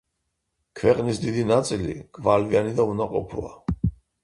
ქვეყნის დიდი ნაწილი გვალვიანი და უნაყოფოა.